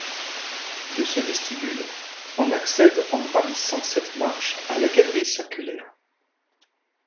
De ce vestibule, on accède en gravissant sept marches à la galerie circulaire.